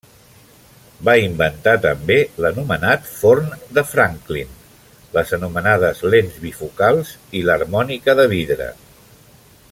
Va inventar també l'anomenat forn de Franklin, les anomenades lents bifocals i l'harmònica de vidre.